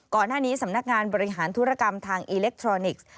ก่อนหน้านี้สำนักงานบริหารธุรกรรมทางอิเล็กทรอนิกส์